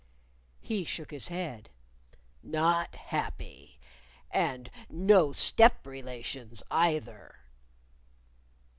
He shook his head. "Not happy! And no step relations, either!"